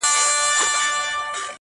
حسن تخلیق کوي